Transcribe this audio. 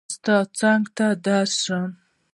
چې ستا څنګ ته درشم